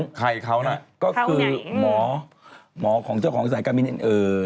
ใครเขานะเขาไหนก็คือหมอหมอของเจ้าของอีสัยกรรมิเนียน